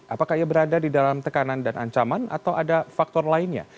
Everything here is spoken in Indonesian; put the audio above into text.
apakah ia berada di dalam tekanan dan ancaman atau ada faktor lainnya